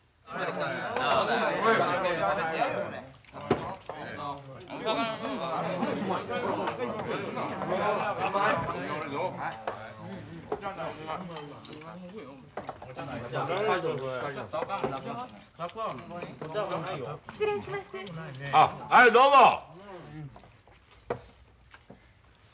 あはいどうぞ！